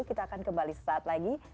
kita akan kembali sesaat lagi